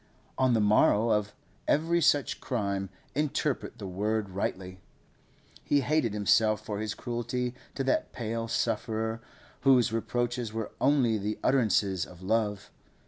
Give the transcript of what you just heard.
On the morrow of every such crime—interpret the word rightly—he hated himself for his cruelty to that pale sufferer whose reproaches were only the utterances of love.